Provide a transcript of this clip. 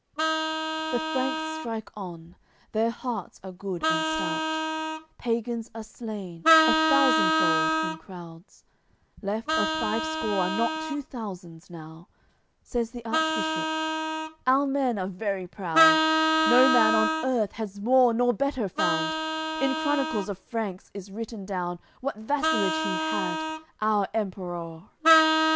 CXI The Franks strike on; their hearts are good and stout. Pagans are slain, a thousandfold, in crowds, Left of five score are not two thousands now. Says the Archbishop: "Our men are very proud, No man on earth has more nor better found. In Chronicles of Franks is written down, What vassalage he had, our Emperour."